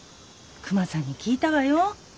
クマさんに聞いたわよ。